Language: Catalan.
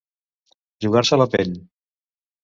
Jugar-se la pell.